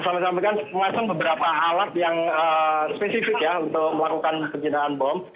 sama sama kan memasang beberapa alat yang spesifik ya untuk melakukan penjinaan bom